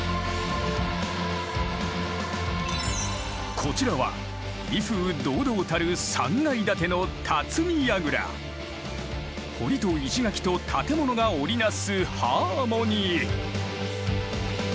こちらは威風堂々たる３階建ての堀と石垣と建物が織り成すハーモニー。